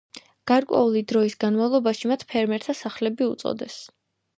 გარკვეული დროის განმავლობაში მათ „ფერმერთა სახლები“ უწოდეს.